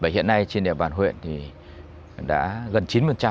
hiện nay trên địa bàn huyện thì đã gần chín mươi